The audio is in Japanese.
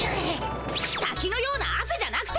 たきのようなあせじゃなくて。